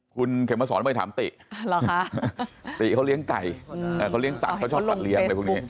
คุณเข็มมาสอนไปถามติเขาเลี้ยงไก่เขาเลี้ยงสัตว์เขาชอบสัตว์เลี้ยง